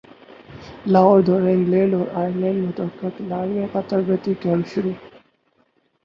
لاہوردورہ England اور ئرلینڈمتوقع کھلاڑیوں کا تربیتی کیمپ شروع